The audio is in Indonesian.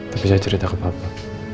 tapi saya cerita ke bapak